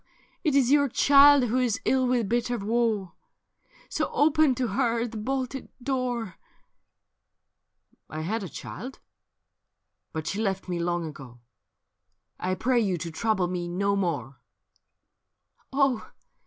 it is your child who is ill with bitter woe ! So open to her the bohed door.' ■/ had a child, but she left tne long ago : I pray you to trouble mc no more.' Oh